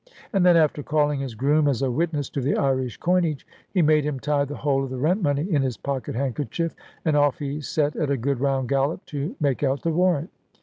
And then after calling his groom as a witness to the Irish coinage, he made him tie the whole of the rent money in his pocket handkerchief, and off he set at a good round gallop to make out the warrant.